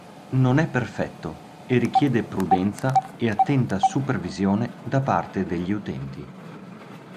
Non è perfetto e richiede prudenza e attenta supervisione da parte degli utenti.